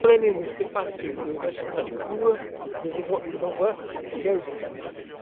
Le condamné ne sait pas que le magistrat éprouve des angoisses égales aux siennes.